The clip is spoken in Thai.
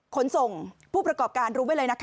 ขนส่งผู้ประกอบการรู้ไว้เลยนะคะ